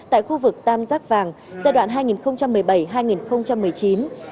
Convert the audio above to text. tại khu vực tam giác vàng giai đoạn hai nghìn một mươi bảy hai nghìn một mươi chín